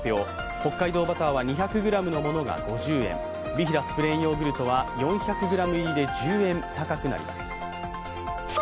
北海道バターは２００ｇのものが５０円、ビヒダスプレーンヨーグルトは４００ｇ入りで１０円高くなります。